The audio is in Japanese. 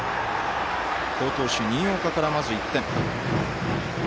好投手、新岡から、まず１点。